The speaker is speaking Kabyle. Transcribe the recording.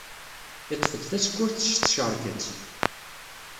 Yeṭṭef-d tasekkurt s tcerket.